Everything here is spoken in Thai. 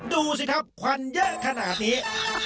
ดูสิครับควันเยอะขนาดนี้